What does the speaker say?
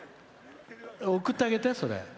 送ってあげて。